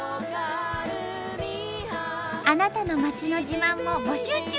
あなたの町の自慢も募集中！